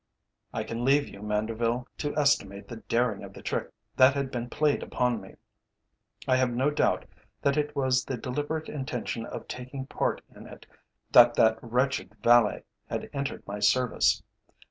I can leave you, Manderville, to estimate the daring of the trick that had been played upon me. I have no doubt that it was with the deliberate intention of taking part in it that that wretched valet had entered my service.